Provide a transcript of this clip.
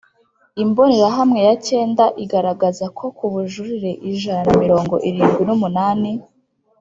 Imbonerahamwe ya cyenda igaragaza ko ku bujurire ijana na mirongo irindwi n umunani